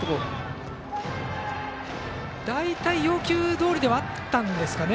大体要求どおりではあったんですかね。